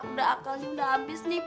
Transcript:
udah akalnya udah habis nih